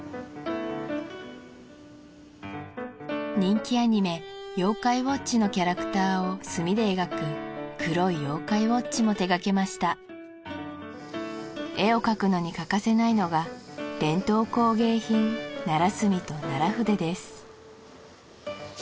人気アニメ「妖怪ウォッチ」のキャラクターを墨で描く「黒い妖怪ウォッチ」も手がけました絵を描くのに欠かせないのが伝統工芸品奈良